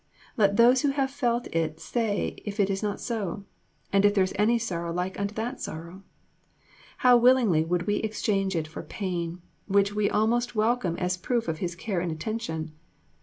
Let those who have felt it say if it is not so, and if there is any sorrow like unto that sorrow. How willingly would we exchange it for pain, which we almost welcome as a proof of His care and attention.